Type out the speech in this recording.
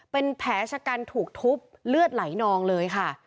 เป็นแผลชะกันถูกทุบเลือดไหลนองเลยค่ะ